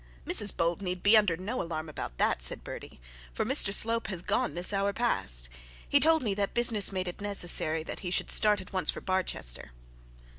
'Mrs Bold need be under no alarm about that,' said Bertie, 'for Mr Slope has gone this hour past. He told me that business made it necessary that he should start at once for Barchester.'